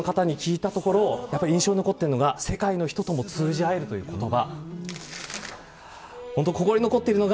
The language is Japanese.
店主の方に聞いたところ印象に残っているのが世界の人とも通じ合えるという言葉。